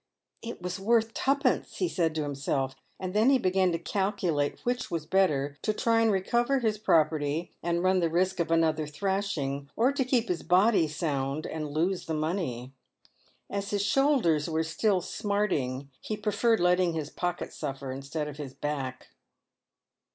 " It was worth tuppence," he said to himself; and then he began to calculate'which was better — to try and recover his property, and run the risk of another thrashing, or to keep his body sound and lose thejmoney. As his shoulders were still smarting, he preferred letting his pocket suffer instead of his back.